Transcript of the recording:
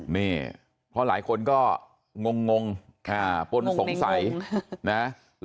นี่เพราะหลายคนก็งงปนสงสัยนะ